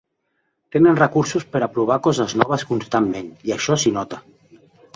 Tenen recursos per a provar coses noves constantment i això s’hi nota.